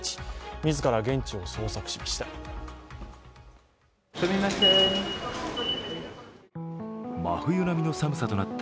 自ら現地を捜索しました。